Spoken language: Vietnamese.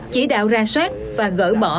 chỉ đạo ra soát và gỡ bỏ